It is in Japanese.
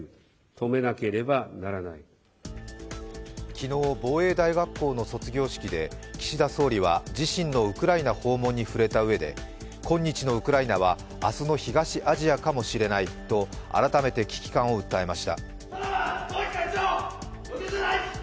昨日、防衛大学校の卒業式で岸田総理は自身のウクライナ訪問に触れたうえで今日のウクライナは明日の東アジアかもしれないと改めて危機感を訴えました。